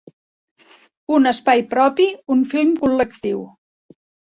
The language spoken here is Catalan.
Un espai propi, un film col·lectiu.